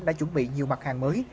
đã chuẩn bị nhiều mặt hàng mới